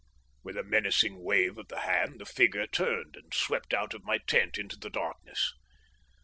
With a menacing wave of the hand the figure turned and swept out of my tent into the darkness.